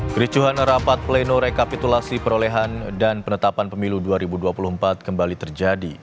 kericuhan rapat pleno rekapitulasi perolehan dan penetapan pemilu dua ribu dua puluh empat kembali terjadi